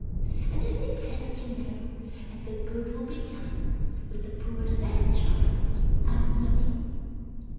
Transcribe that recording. And isn't it pleasant to know that the good will be done with the poor sad child's own money?